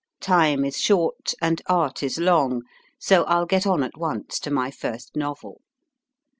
Time is short, and art is long, so I ll get on at once to my first novel.